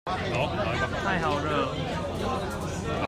太好惹